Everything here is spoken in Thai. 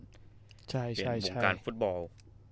เปลี่ยนวงการฟุตบอล